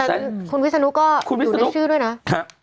แต่คุณวิศนุก็อยู่ในชื่อด้วยนะคุณวิศนุกค่ะ